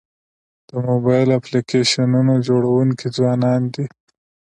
د موبایل اپلیکیشنونو جوړونکي ځوانان دي.